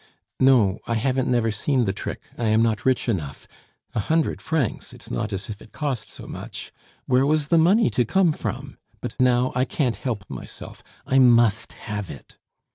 "No, I haven't never seen the trick, I am not rich enough. A hundred francs! It's not as if it cost so much! Where was the money to come from? But now I can't help myself, I must have it."